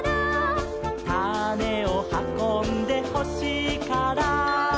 「たねをはこんでほしいから」